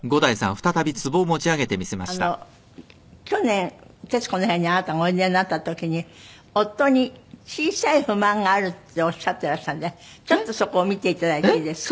あの去年『徹子の部屋』にあなたがおいでになった時に夫に小さい不満があるっておっしゃっていらしたんでちょっとそこを見ていただいていいですか？